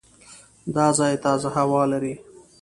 دا ځای تازه هوا لري.